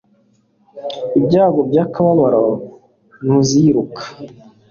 Ibyago byakababaro tuziruka